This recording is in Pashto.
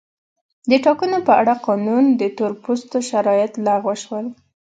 د ټاکنو په اړه قانون د تور پوستو شرایط لغوه شول.